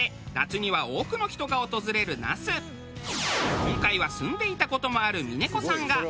今回は住んでいた事もある峰子さんが。